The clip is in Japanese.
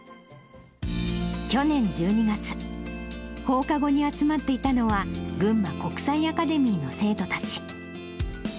去年１２月、放課後に集まっていたのは、ぐんま国際アカデミーの生徒たち。